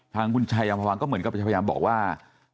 ทางคุณชายอำภาวังก็เหมือนกับจะพยายามบอกว่า